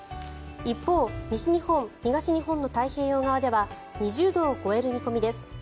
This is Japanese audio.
一方、西日本、東日本の太平洋側では２０度を超える見込みです。